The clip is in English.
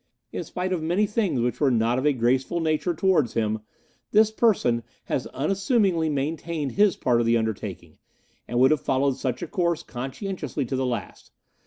In spite of many things which were not of a graceful nature towards him, this person has unassumingly maintained his part of the undertaking, and would have followed such a course conscientiously to the last.